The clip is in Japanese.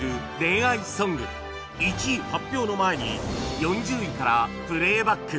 １位発表の前に４０位からプレイバック